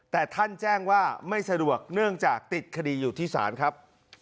แต่ท่านแจ้งว่าไม่สะดวกเนื่องจากติดคดีอยู่ที่ศาลครับ